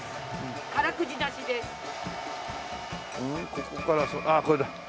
ここからあっこれだ。